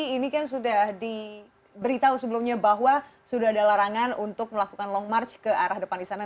ini kan sudah diberitahu sebelumnya bahwa sudah ada larangan untuk melakukan long march ke arah depan istana